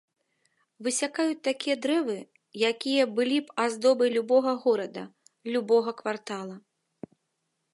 Высякаюць такія дрэвы, якія былі б аздобай любога горада, любога квартала!